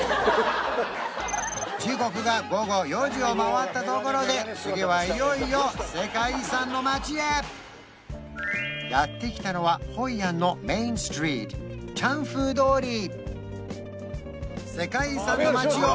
時刻が午後４時を回ったところで次はいよいよ世界遺産の街へやって来たのはホイアンのメインストリートチャンフー通り